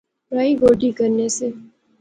رائی گوڈی کرنے سے